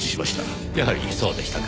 やはりそうでしたか。